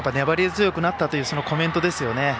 粘り強くなったというコメントですね。